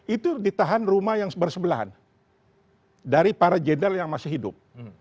itu ditahan rumah yang bersebelahan dari para jenderal yang masih hidup